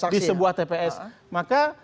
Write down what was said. di sebuah tps maka